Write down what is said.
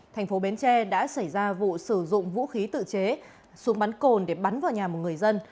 thành phố bến tre đã xảy ra vụ sử dụng vũ khí tự chế súng bắn cồn để bắn vào nhà một người dân